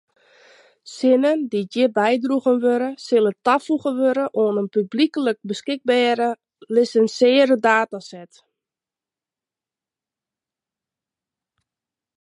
Sinnen dy’t hjir bydroegen wurde sille tafoege wurde oan in publyklik beskikbere lisinsearre dataset.